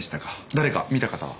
誰か見た方は？